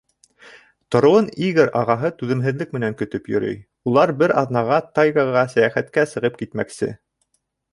Тороуын Игорь ағаһы түҙемһеҙлек менән көтөп йөрөй: улар бер аҙнаға тайгаға сәйәхәткә сығып китмәксе.